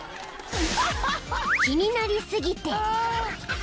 ［気になり過ぎて］